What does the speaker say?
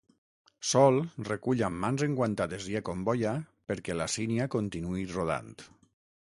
Sol recull amb mans enguantades i acomboia perquè la sínia continuï rodant.